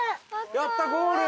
やったゴール！